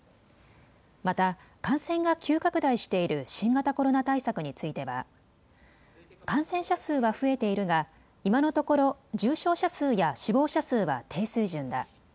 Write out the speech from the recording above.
また感染が急拡大している新型コロナ対策については感染者数は増えているが今のところ、重症者数や死亡者数は低水準だ。